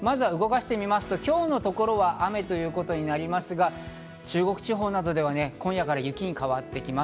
今日のところは雨ということになりますが、中国地方などでは今夜から雪に変わってきます。